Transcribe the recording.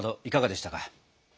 いかがでしたか？